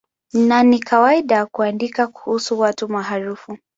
Na ni kawaida kuandika kuhusu watu maarufu.